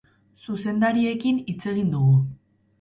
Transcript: Zuzendariekin hitz egin dugu.